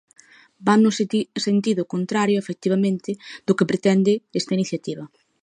Van no sentido contrario, efectivamente, do que pretende esta iniciativa.